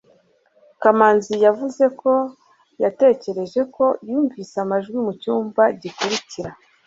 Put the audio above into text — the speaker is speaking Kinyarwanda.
kamanzi yavuze ko yatekereje ko yumvise amajwi mucyumba gikurikira